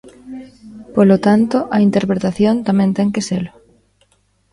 Polo tanto, a interpretación tamén ten que selo.